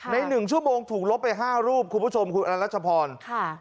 หนึ่งชั่วโมงถูกลบไป๕รูปคุณผู้ชมคุณอรัชพรค่ะ